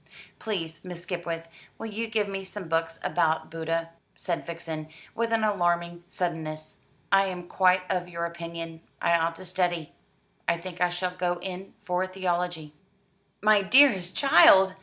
"Please, Miss Skipwith, will you give me some books about Buddha?" said Vixen, with an alarming suddenness. "I am quite of your opinion: I ought to study. I think I shall go in for theology." "My dearest child!"